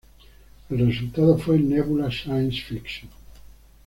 El resultado fue Nebula Science Fiction.